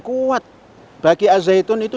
kuat bagi azeitun itu